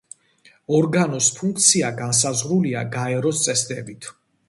ორგანოს ფუნქცია განსაზღვრულია გაეროს წესდებით.